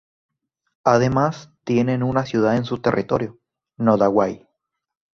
Además, contiene una ciudad en su territorio, Nodaway.